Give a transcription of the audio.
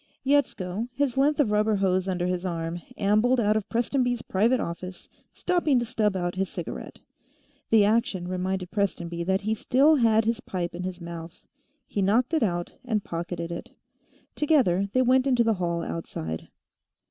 Yetsko, his length of rubber hose under his arm, ambled out of Prestonby's private office, stopping to stub out his cigarette. The action reminded Prestonby that he still had his pipe in his mouth; he knocked it out and pocketed it. Together, they went into the hall outside.